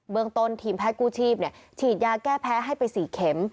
เบื้องต้นทีมแพ้กู้ชีพเนี่ยฉีดยาแก้แพ้ให้ไป๔เข็ม